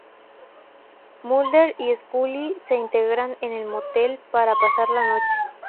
Mulder y Scully se registran en un motel para pasar la noche.